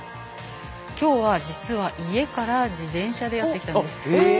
きょうは、実は家から自転車でやってきたんです。